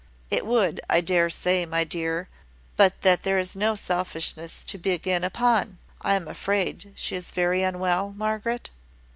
"It would, I dare say, my dear, but that there was no selfishness to begin upon. I am afraid she is very unwell, Margaret?"